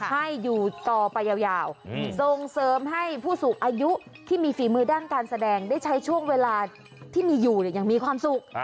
ให้อยู่ต่อไปยาวส่งเสริมให้ผู้สูงอายุที่มีฝีมือด้านการแสดงได้ใช้ช่วงเวลาที่มีอยู่อย่างมีความสุข